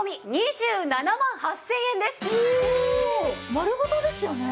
丸ごとですよね？